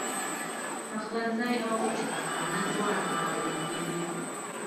پخلنځی او آشپزخانه دواړه کارول کېږي.